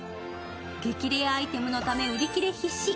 激レアアイテムのため売り切れ必至。